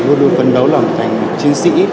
luôn đương phấn đấu làm thành chiến sĩ